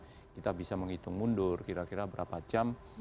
kita bisa menghitung mundur kira kira berapa jam